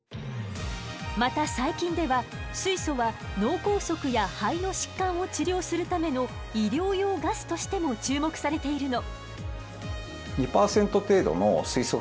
また最近では水素は脳梗塞や肺の疾患を治療するための医療用ガスとしても注目されているの。